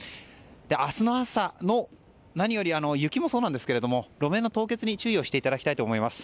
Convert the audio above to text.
明日の朝、何より雪もそうなんですが路面の凍結に注意していただきたいと思います。